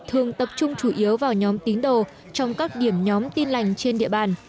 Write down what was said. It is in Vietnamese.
thường tập trung chủ yếu vào nhóm tín đồ trong các điểm nhóm tin lành trên địa bàn